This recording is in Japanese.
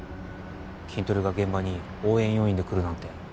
キントリが現場に応援要員で来るなんて。